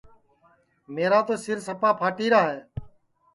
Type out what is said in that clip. میرا تو سِر سپا پھاٹیرا ہے